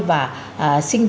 và sinh ra